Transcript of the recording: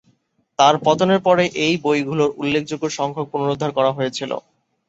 তাঁর পতনের পরে এই বইগুলোর উল্লেখযোগ্য সংখ্যক পুনরুদ্ধার করা হয়েছিল।